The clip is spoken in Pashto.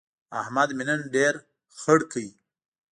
احمد مې نن ډېر خړ کړ.